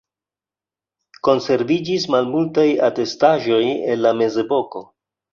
Konserviĝis malmultaj atestaĵoj el la mezepoko.